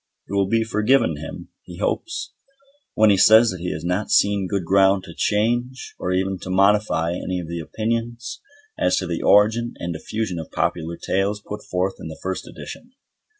It will be forgiven him, he hopes, when he says that he has not seen good ground to change or even to modify any of the opinions as to the origin and diffusion of popular tales put forth in the first edition.